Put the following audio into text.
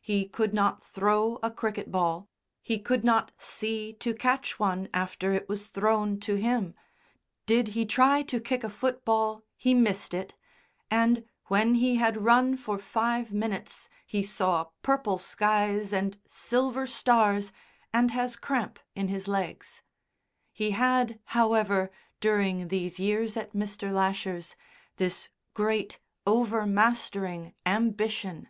He could not throw a cricket ball, he could not see to catch one after it was thrown to him, did he try to kick a football he missed it, and when he had run for five minutes he saw purple skies and silver stars and has cramp in his legs. He had, however, during these years at Mr. Lasher's, this great over mastering ambition.